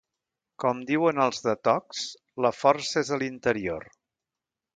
Com diuen els de Tocs, la força és a l'interior.